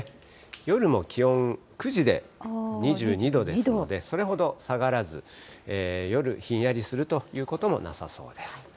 夜も気温、９時で２２度ですので、それほど下がらず、夜、ひんやりするということもなさそうです。